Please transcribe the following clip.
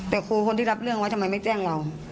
แต่ครูคนที่รับเรื่องไว้ทำไมไม่แจ้งเรา